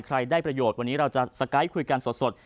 ได้ประโยชน์วันนี้เราจะสไกด์คุยกันสด